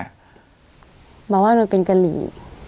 หมายถึงว่าหนูเป็นกะหลี